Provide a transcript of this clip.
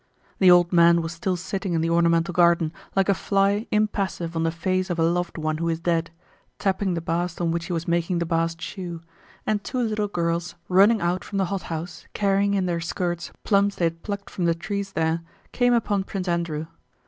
The old man was still sitting in the ornamental garden, like a fly impassive on the face of a loved one who is dead, tapping the last on which he was making the bast shoe, and two little girls, running out from the hot house carrying in their skirts plums they had plucked from the trees there, came upon Prince Andrew.